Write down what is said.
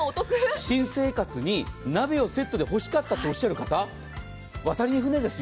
新生活に鍋をセットで欲しかったという方渡りに船ですよ。